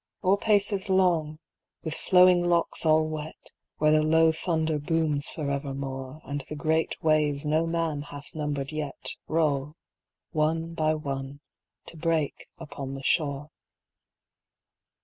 Or paces long, with flowing locks all wet. Where the low thunder booms forevermore. And the great waves no man hath numbered yet. Roll, one by one, to break upon the shore.